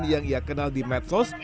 yang ia kenal di medsos